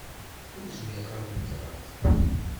Ur zmireɣ ad nekreɣ.